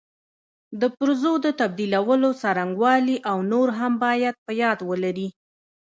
د پرزو د تبدیلولو څرنګوالي او نور هم باید په یاد ولري.